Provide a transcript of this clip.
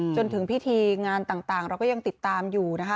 จนถึงพิธีงานต่างเราก็ยังติดตามอยู่นะคะ